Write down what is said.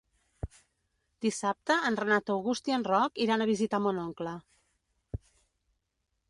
Dissabte en Renat August i en Roc iran a visitar mon oncle.